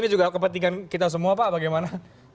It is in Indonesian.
itu kepentingan kita semua pak bagaimana